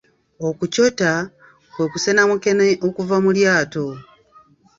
Okucota kwe kusena mukene okuva mu lyato.